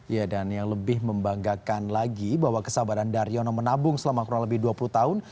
ya dan yang lebih membanggakan lagi bahwa kesabaran daryono menabung selama kurang lebih dua puluh tahun